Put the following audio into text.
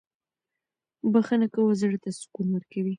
بښنه کول زړه ته سکون ورکوي.